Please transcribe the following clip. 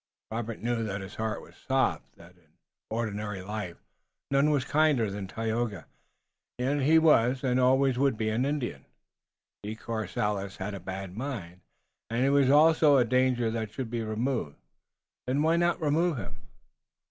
Robert knew that his heart was soft, that in ordinary life none was kinder than Tayoga. And yet he was and always would be an Indian. De Courcelles had a bad mind, and he was also a danger that should be removed. Then why not remove him?